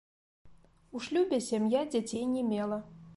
У шлюбе сям'я дзяцей не мела.